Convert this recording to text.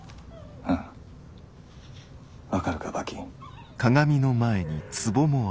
ああ分かるかバキン。